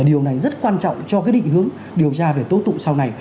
điều này rất quan trọng cho cái định hướng điều tra về tố tụng sau này